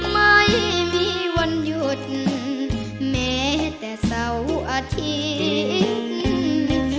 ไม่มีวันหยุดแม้แต่เสาร์อาทิตย์